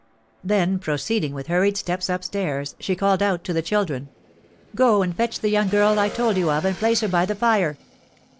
Then, proceeding with hurried steps up stairs, she called out to the children: "Go and fetch the young girl I told you of, and place her by the fire."